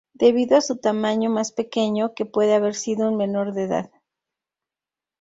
Debido a su tamaño más pequeño, que puede haber sido un menor de edad.